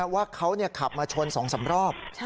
ว่าเขาขับมาชน๒๓รอบ